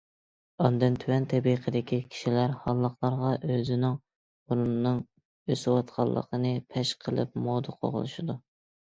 ئاندىن تۆۋەن تەبىقىدىكى كىشىلەر ھاللىقلارغا ئۆزىنىڭ ئورنىنىڭ ئۆسۈۋاتقانلىقىنى پەش قىلىپ مودا قوغلىشىدۇ.